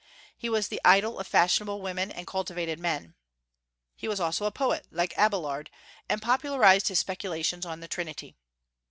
He was the idol of fashionable women and cultivated men. He was also a poet, like Abélard, and popularized his speculations on the Trinity.